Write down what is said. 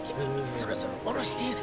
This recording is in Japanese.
そろそろ降ろしてぇな。